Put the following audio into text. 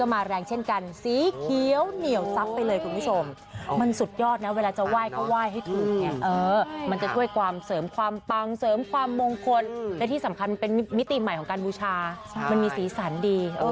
มันจะช่วยความเสริมความปังเสริมความมงคลและที่สำคัญเป็นมิติใหม่ของการบูชามันมีสีสันดี